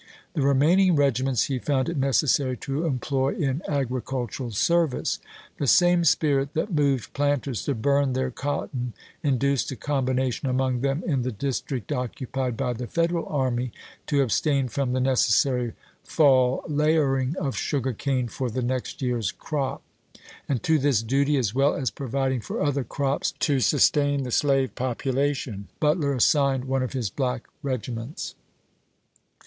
The remaining regiments he found it necessary to employ in agri cultural service. The same spirit that moved planters to burn their cotton induced a combina tion among them in the district occupied by the Federal army to abstain from the necessary fall layering of sugar cane for the next year's crop; and to this duty, as well as providing for other crops to sustain the slave population, Butler as signed one of his black regiments.